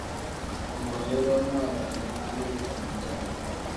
Mogoo yodooni waabana ma hali ifama tom.